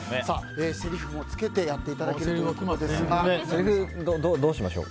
せりふもつけてやっていただけるせりふどうしましょう。